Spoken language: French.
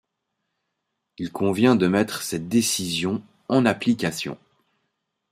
Il convient de mettre cette décision en application.